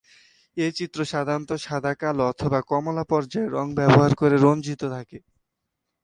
এই চিত্র সাধারণত সাদা-কালো অথবা কমলা পর্যায়ের রঙ ব্যবহার করে রঞ্জিত থাকে।